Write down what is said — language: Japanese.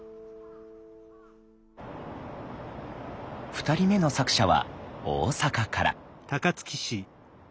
２人目の作者は大阪から。